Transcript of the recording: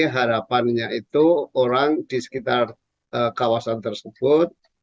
harapannya itu orang di sekitar kawasan tersebut